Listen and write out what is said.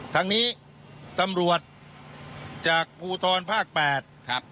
ทางนี้ตำรวจจากภูทรภาคแปดครับ